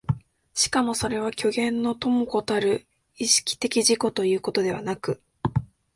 しかもそれは虚幻の伴子たる意識的自己ということではなく、